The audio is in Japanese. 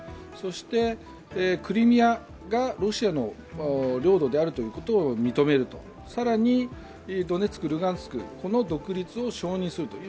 そして、クリミアがロシアの領土であるということを認める、更に、ドネツク、ルガンスクの独立を承認する。